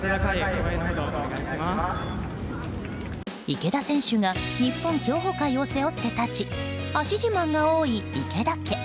池田選手が日本競歩界を背負って立ち足自慢が多い池田家。